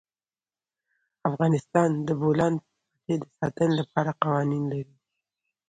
افغانستان د د بولان پټي د ساتنې لپاره قوانین لري.